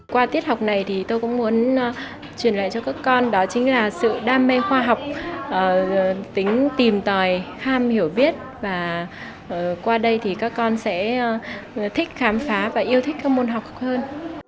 qua tiết học này thì tôi cũng muốn truyền lại cho các con đó chính là sự đam mê khoa học tính tìm tòi ham hiểu biết và qua đây thì các con sẽ thích khám phá và yêu thích các môn học hơn